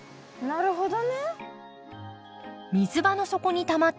なるほど。